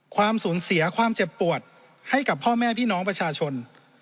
ความสูญเสียความเจ็บปวดให้กับพ่อแม่พี่น้องประชาชน